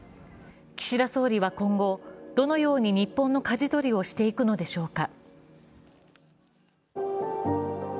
岸田総理は今後どのように日本のかじ取りをしていくのでしょうか。